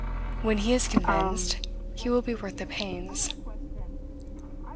When he is convinced, he will be worth the pains.